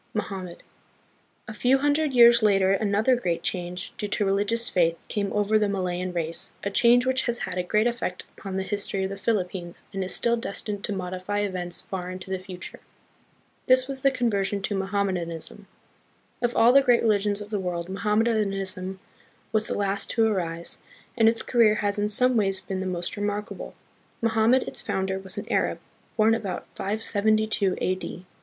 Mohammed. A few hundred years later another great change, due to religious faith, came over the Malayan race, a change which has had a great effect upon the history of the Philippines, and is still destined to modify events far into the future. This was the conversion to Mohammedanism. Of all the great religions of the world, Mohammedanism was the last to arise, and its career has in some ways been the most re markable. Mohammed, its founder, was an Arab, born about 572 A.D.